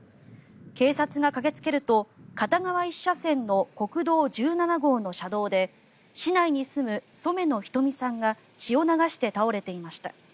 警察が駆けつけると片側１車線の国道１７号の車道で市内に住む染野瞳さんが血を流して倒れていました。